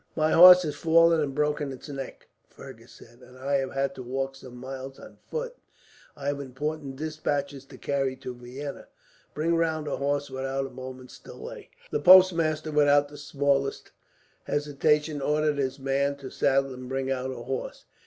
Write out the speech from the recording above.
"My horse has fallen and broken its neck," Fergus said, "and I have had to walk some miles on foot. I have important despatches to carry to Vienna. Bring round a horse, without a moment's delay." The postmaster, without the smallest hesitation, ordered his men to saddle and bring out a horse.